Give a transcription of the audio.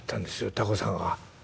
タコさんが」。